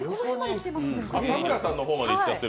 田村さんの方までいっちゃってる。